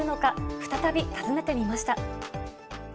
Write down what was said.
再び訪ねてみました。